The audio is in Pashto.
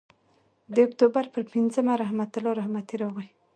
د اکتوبر پر پینځمه رحمت الله رحمتي راغی.